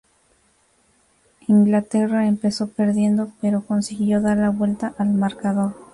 Inglaterra empezó perdiendo, pero consiguió dar la vuelta al marcador.